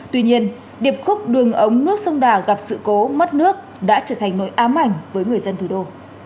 tuy nhiên điệp khúc đường ống nước sông đà gặp sự cố mất nước đã trở thành nỗi ám ảnh với người dân thủ đô